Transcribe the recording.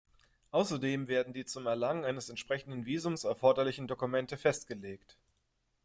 Außerdem werden die zum Erlangen eines entsprechenden Visums erforderlichen Dokumente festgelegt.